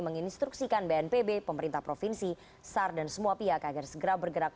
menginstruksikan bnpb pemerintah provinsi sar dan semua pihak agar segera bergerak